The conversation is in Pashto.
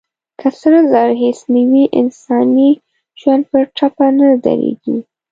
که سره زر هېڅ نه وي، انساني ژوند پر ټپه نه درېږي.